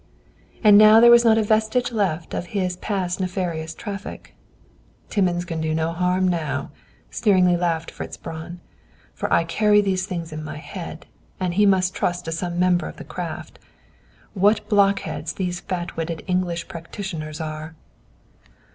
And now there was not a vestige left of his past nefarious traffic. "Timmins can do no harm now," sneeringly laughed Fritz Braun. "For I carry these things in my head, and he must trust to some member of the craft. What blockheads these fat witted English practitioners are."